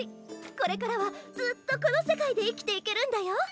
これからはずっとこの世界で生きていけるんだよ！